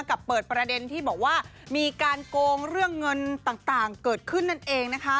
เปิดประเด็นที่บอกว่ามีการโกงเรื่องเงินต่างเกิดขึ้นนั่นเองนะคะ